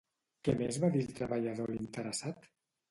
Què més va dir el treballador a l'interessat?